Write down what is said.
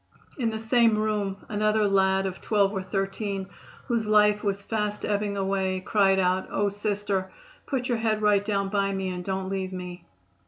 In the same room another lad of twelve or thirteen, whose life was fast ebbing away, cried out: "Oh, Sister, put your head right down by me and don't leave me."